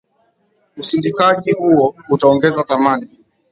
Usindikaji huo utaongeza thamani